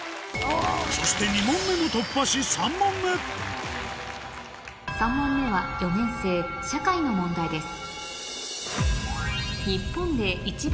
そして２問目も突破し３問目３問目は４年生社会の問題です